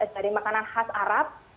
dari makanan khas arab